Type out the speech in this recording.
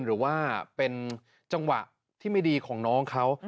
หรือว่าเป็นจังหวะที่ไม่ดีของน้องเขา